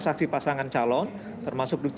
saksi pasangan calon termasuk